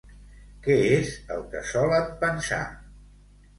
Què és el que solen pensar?